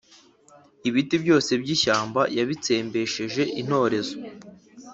Ibiti byose by’ishyamba yabitsembesheje intorezo,